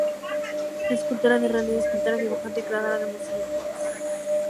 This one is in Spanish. Escultora de relieves, pintora, dibujante y creadora de mosaicos.